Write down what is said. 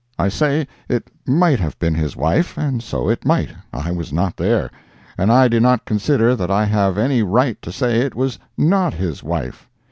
I say it might have been his wife—and so it might—I was not there, and I do not consider that I have any right to say it was not his wife.